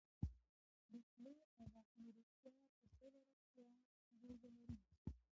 د خولې او غاښونو روغتیا په ټوله روغتیا اغېز لري.